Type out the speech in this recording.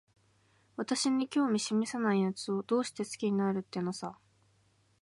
私に興味しめさないやつを、どうして好きになるってのさ。